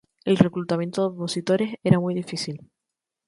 El reclutamiento de opositores era muy difícil.